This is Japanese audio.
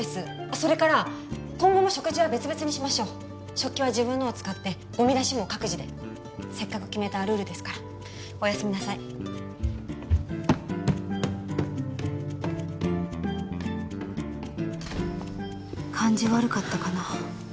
それから今後も食事は別々にしましょう食器は自分のを使ってゴミ出しも各自でせっかく決めたルールですからおやすみなさい感じ悪かったかな